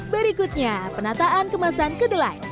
berikutnya penataan kemasan kedelai